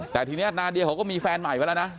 แต่ทีนี้นาเดียเขาก็มีแฟนใหม่ไปแล้วนะ